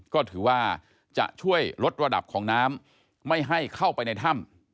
ก็ถือว่าจะช่วยลดระดับของน้ำไม่ให้เข้าไปในถ้ำ